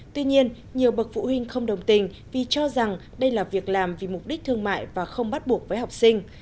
tuy nhiên nhiều bậc phụ huynh không đồng tình vì cho rằng đây là việc làm vì mục đích thương mại và không bắt buộc với học sinh